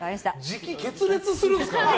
時期決裂するんですか。